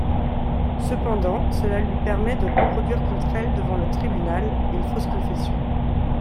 Cependant cela lui permet de produire contre elle devant le tribunal une fausse confession.